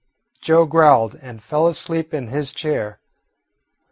Joe growled and fell asleep in his chair.